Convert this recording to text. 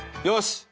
よし。